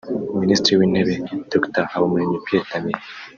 Minisitiri w’Intebe Dr Habumuremyi Pierre Damien